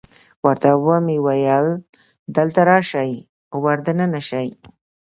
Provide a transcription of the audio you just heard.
ورته مې وویل: دلته راشئ، ور دننه شئ.